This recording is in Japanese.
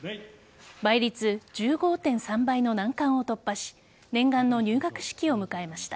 倍率１５．３倍の難関を突破し念願の入学式を迎えました。